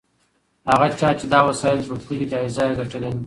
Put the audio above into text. هغه چا چې دا وسایل جوړ کړي جایزه یې ګټلې ده.